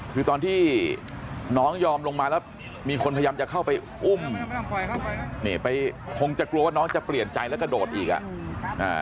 คือตอนที่น้องยอมลงมาแล้วมีคนพยายามจะเข้าไปอุ้มนี่ไปคงจะกลัวว่าน้องจะเปลี่ยนใจแล้วกระโดดอีกอ่ะอ่า